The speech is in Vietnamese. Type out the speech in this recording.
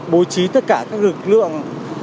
bố trí tất cả các lực lượng